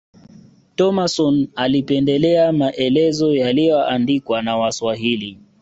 Thomason alipendelea maelezo yaliyoandikwa na waswahili